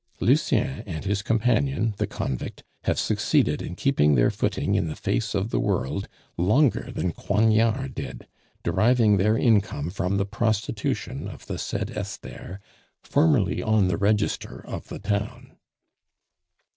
"Lucien and his companion, the convict, have succeeded in keeping their footing in the face of the world longer than Coignard did, deriving their income from the prostitution of the said Esther, formerly on the register of the town."